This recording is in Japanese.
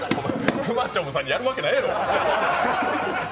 くまちょむさんにやるわけないやろ！